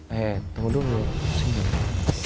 eh tunggu dulu